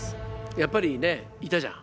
やっぱりねいたじゃん。